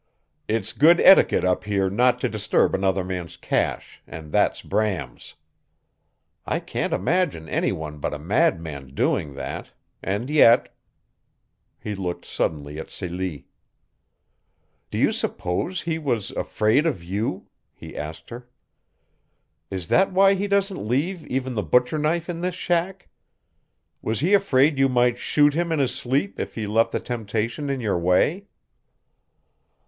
"It's good etiquette up here not to disturb another man's cache and that's Bram's. I can't imagine any one but a madman doing that. And yet " He looked suddenly at Celie. "Do you suppose he was afraid of YOU?" he asked her. "Is that why he doesn't leave even the butcher knife in this shack? Was he afraid you might shoot him in his sleep if he left the temptation in your way?"